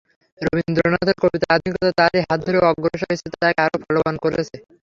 রবীন্দ্রনাথের কবিতার আধুনিকতা তাঁরই হাত ধরে অগ্রসর হয়েছে, তাকে আরও ফলবান করেছে।